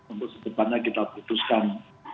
untuk setepannya kita putuskan